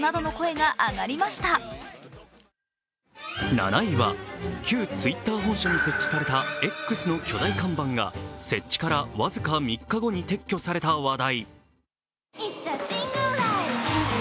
７位は旧Ｔｗｉｔｔｅｒ本社に設置された「Ｘ」の巨大看板が設置から僅か３日後に外された話題。